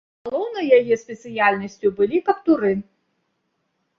Галоўнай яе спецыяльнасцю былі каптуры.